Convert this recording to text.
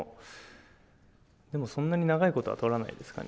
でもそんなに長い事は取らないですかね。